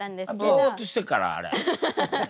ぼっとしてっからあれ。